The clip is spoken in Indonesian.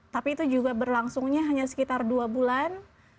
tapi itu juga berlangsungnya hanya sekitar dua bulan